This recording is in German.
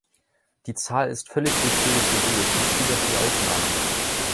Die Zahl ist völlig willkürlich gewählt, nicht jedoch die Ausnahmen.